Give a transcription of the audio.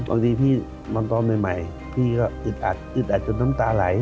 บางทีพี่มันตอนใหม่พี่ก็อึดอัดอึดอัดจนน้ำตาไหล